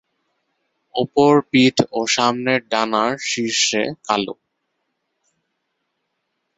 ওপর পিঠ ও সামনের ডানার শীর্ষে কালো।